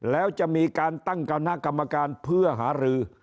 แล้วจะมีการตั้งคณะกรรมการเพื่อหารือ